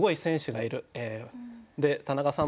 で田中さん